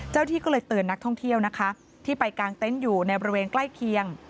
ที่ก็เลยเตือนนักท่องเที่ยวนะคะที่ไปกางเต็นต์อยู่ในบริเวณใกล้เคียง